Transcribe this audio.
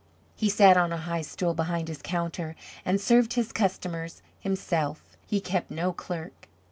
He sat on a high stool behind his counter and served his customers himself; he kept no clerk.